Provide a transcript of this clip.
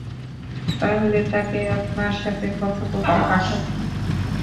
তাহলে তাকে আপনার সাথে কথা বলতে পাঠাব?